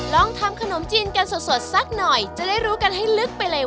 ลองทำขนมจีนกันสดสักหน่อยจะได้รู้กันให้ลึกไปเลย